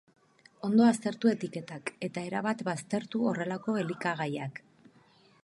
Ondo aztertu etiketak, eta erabat baztertu horrelako elikagaiak.